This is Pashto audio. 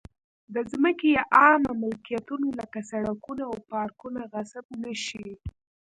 د ځمکې یا عامه ملکیتونو لکه سړکونه او پارکونه غصب نه شي.